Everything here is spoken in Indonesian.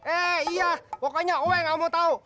eh iya pokoknya oe nggak mau tahu